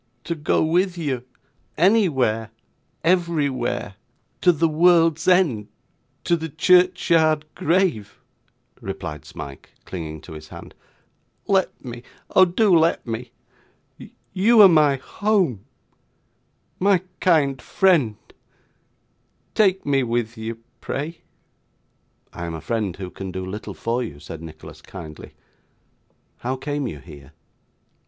'To go with you anywhere everywhere to the world's end to the churchyard grave,' replied Smike, clinging to his hand. 'Let me, oh do let me. You are my home my kind friend take me with you, pray.' 'I am a friend who can do little for you,' said Nicholas, kindly. 'How came you here?